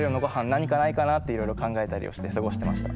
何かないかなっていろいろ考えたりして過ごしてました。